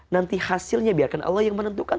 nanti hasilnya biarkan allah yang menentukan